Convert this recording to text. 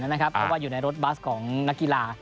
เพราะว่าอยู่ในรถบัสของนักกีฬา